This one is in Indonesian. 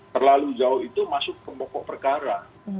terlalu jauh itu masuk ke pokok perkara